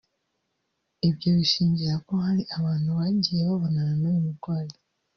Ibyo abishingira ko hari abantu bagiye babonana n’uyu murwayi